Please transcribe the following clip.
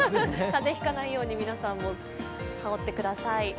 風邪引かないうに、皆さんも羽織ってください。